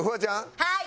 はい！